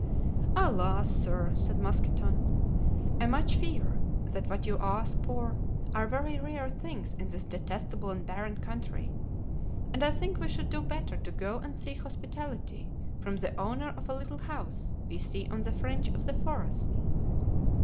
"Alas! sir," said Mousqueton, "I much fear that what you ask for are very rare things in this detestable and barren country, and I think we should do better to go and seek hospitality from the owner of a little house we see on the fringe of the forest."